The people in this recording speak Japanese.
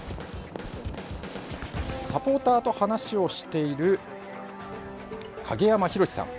サポーターと話をしている影山洋さん。